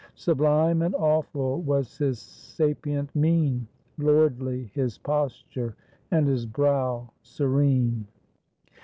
Sublime and awful was his sapient mien, Lordly his posture, and his brow serene.